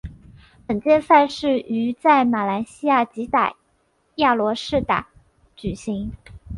本届赛事于在马来西亚吉打亚罗士打举行。